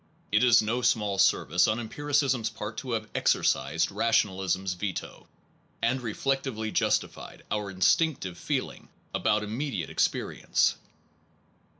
It is no small service on empiricism s part to have exorcised rationalism s veto, and reflectively justified our instinctive feeling about immediate experience.